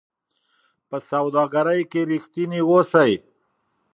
په سوداګرۍ کې رښتیني اوسئ.